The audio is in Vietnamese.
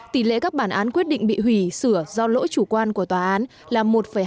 tỷ lệ các bản án quyết định bị hủy sửa do lỗi chủ quan của tòa án là một hai